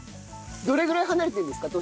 どれぐらい離れてるんですか？